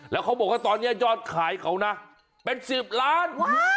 แล้วเขาบอกว่าตอนนี้ยอดขายเขานะเป็น๑๐ล้าน